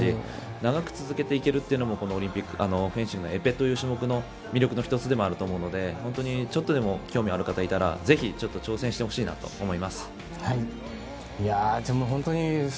長く続けていけるっていうのもフェンシングのエペという種目の魅力だと思うので本当にちょっとでも興味がある方がいたらぜひ、挑戦してほしいなと思います。